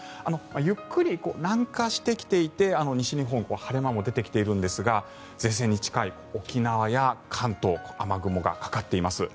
ゆっくり南下してきていて西日本晴れ間も出てきているんですが前線に近い沖縄や関東雨雲がかかっています。